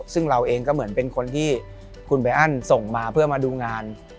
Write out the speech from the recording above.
ซึ่งเราเองก็เหมือนเป็นคนที่คุณใบอันส่งมาเพื่อมาดูงาน